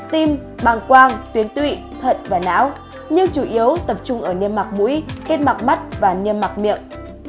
tim bàng quang tuyến tụy thận và não nhưng chủ yếu tập trung ở niêm mạc mũi kết mặt mắt và niêm mạc miệng